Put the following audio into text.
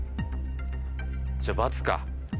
じゃ「×」か。